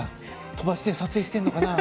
飛ばして撮影してるのかな